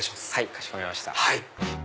かしこまりました。